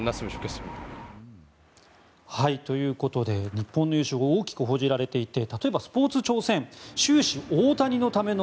日本の優勝が大きく報じられていて例えばスポーツ朝鮮終始、大谷のための